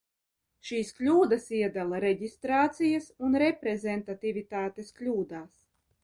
Šīs kļūdas iedala reģistrācijas un reprezentativitātes kļūdās.